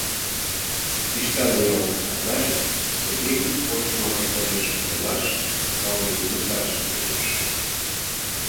Пиштан ял Сардай Серге куп коштымо ваштареш ойлаш, калыкым лӱдыкташ тӧчыш.